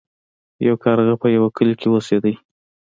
یو کارغه په یوه کلي کې اوسیده.